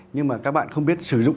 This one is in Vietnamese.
nhưng mà các bạn không biết sử dụng